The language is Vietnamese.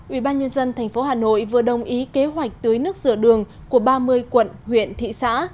ubnd tp hà nội vừa đồng ý kế hoạch tưới nước rửa đường của ba mươi quận huyện thị xã